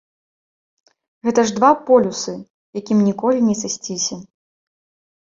Гэта ж два полюсы, якім ніколі не сысціся.